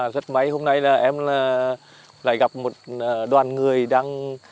rất may hôm nay là em lại gặp một đoàn người đang